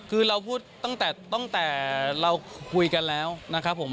คือเราพูดตั้งแต่เราคุยกันแล้วนะครับผม